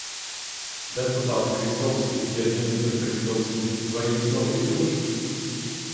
Deputāt Kristovski jeb ministr Kristovski, vai jums nav iebilžu?